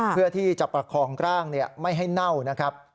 เพื่อที่จะประคองร่างไม่ให้เน่านะครับ